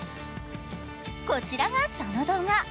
こちらがその動画。